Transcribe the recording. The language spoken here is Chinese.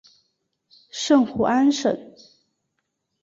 圣胡安省。